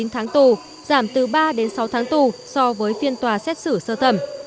ba mươi sáu ba mươi chín tháng tù giảm từ ba sáu tháng tù so với phiên tòa xét xử sơ thẩm